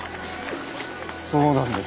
そうなんです。